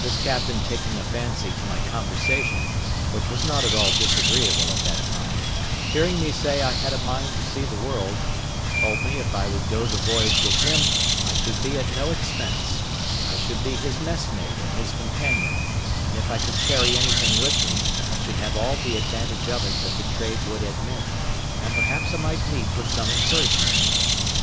This captain taking a fancy to my conversation, which was not at all disagreeable at that time, hearing me say I had a mind to see the world, told me if I would go the voyage with him I should be at no expense; I should be his messmate and his companion; and if I could carry anything with me, I should have all the advantage of it that the trade would admit; and perhaps I might meet with some encouragement.